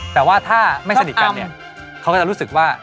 แต่ว่าถ้าไม่สนิทกันเนี่ยเขาก็จะรู้สึกว่า